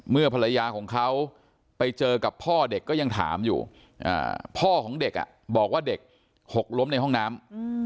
ภรรยาของเขาไปเจอกับพ่อเด็กก็ยังถามอยู่พ่อของเด็กบอกว่าเด็กหกล้มในห้องน้ำ